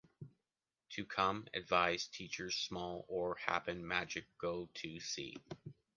to come, advice, teachers, small, or, happen, magic, go to see